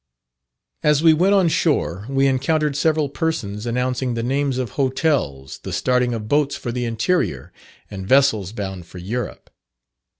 As we went on shore we encountered several persons announcing the names of hotels, the starting of boats for the interior, and vessels bound for Europe.